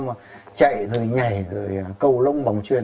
mà chạy rồi nhảy rồi cầu lông bóng truyền